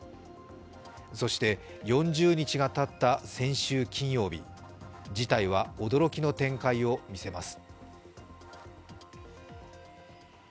そして４０日がたった先週金曜日、事態は驚きの展開を見せます。